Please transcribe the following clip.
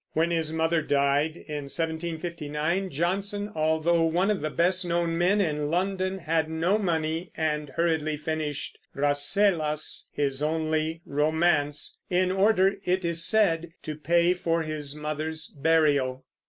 When his mother died, in 1759, Johnson, although one of the best known men in London, had no money, and hurriedly finished Rasselas, his only romance, in order, it is said, to pay for his mother's burial.